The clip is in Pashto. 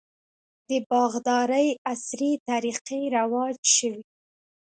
د باغدارۍ عصري طریقې رواج شوي.